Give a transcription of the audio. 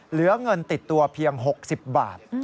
เหลือเงินติดตัวเพียง๖๐บาท